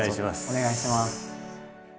お願いします。